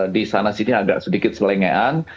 di sana sini agak sedikit selengean